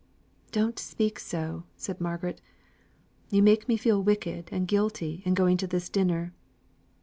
"Don't speak so!" said Margaret. "You'll make me feel wicked and guilty in going to this dinner."